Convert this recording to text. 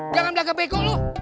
jangan berlagak bego lu